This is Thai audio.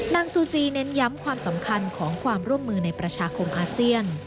ซูจีเน้นย้ำความสำคัญของความร่วมมือในประชาคมอาเซียน